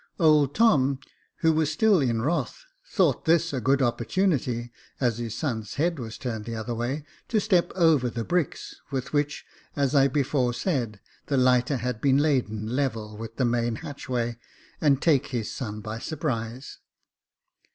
Old Tom, who was still in wrath, thought this a good opportunity, as his son's head was turned the other way, to step over the bricks, with which, as I before said, the lighter had been laden level with the main hatchway, and take his son by surprise.